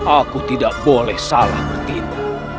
aku tidak boleh salah begitu